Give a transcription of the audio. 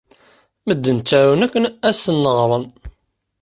Medden ttarun akken ad ten-ɣren.